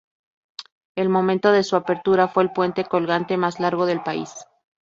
Al momento de su apertura fue el puente colgante más largo del país.